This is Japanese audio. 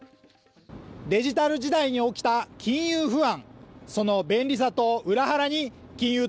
デジタル時代に起きた金融不安。